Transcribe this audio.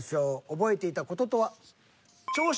覚えていた事とは？